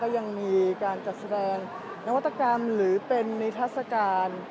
ยังมีการจัดแสดงนวัตกรรมหรือเป็นนิทัศกาล